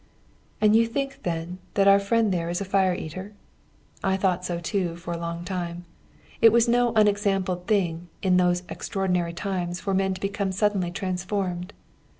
"And you think, then, that our friend there is a fire eater? I thought so too for a long time. It was no unexampled thing in those extraordinary times for men to become suddenly transformed.